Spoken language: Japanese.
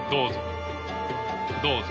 どうぞ。